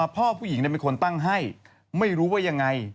พ่อผู้หญิงเป็นคนตั้งให้ไม่รู้ว่ายังไง